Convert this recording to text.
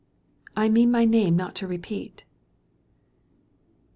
I mean my name not to repeat."